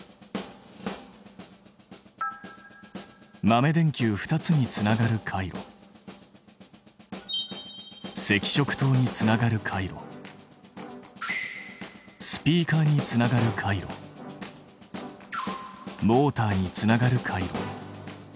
豆電球２つにつながる回路赤色灯につながる回路スピーカーにつながる回路モーターにつながる回路。